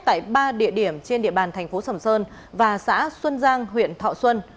tại ba địa điểm trên địa bàn thành phố sầm sơn và xã xuân giang huyện thọ xuân